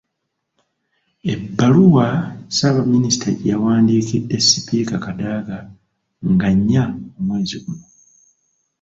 Ebbaluwa Ssaabaminisita gye yawandiikidde Sipiika Kadaga nga nnya, omwezi guno